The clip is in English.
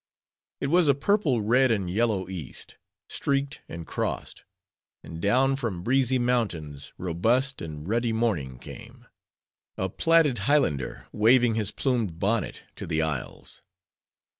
It was a purple, red, and yellow East;—streaked, and crossed. And down from breezy mountains, robust and ruddy Morning came,—a plaided Highlander, waving his plumed bonnet to the isles.